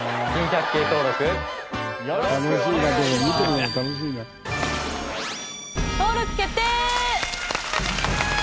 登録決定！